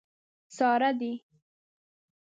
ساړه دي.